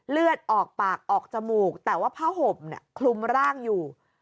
เลือดออกปากออกจมูกแต่ว่าผ้าห่มคลุมร่างอยู่